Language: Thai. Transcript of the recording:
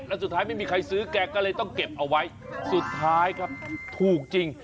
แล้วสุดท้ายไม่มีใครซื้อแกก็เลยต้องเก็บเอาไว้สุดท้ายครับถูกจริง